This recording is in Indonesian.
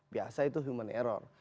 biasa itu human error